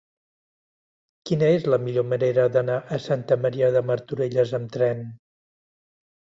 Quina és la millor manera d'anar a Santa Maria de Martorelles amb tren?